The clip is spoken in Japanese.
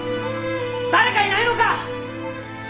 誰かいないのか！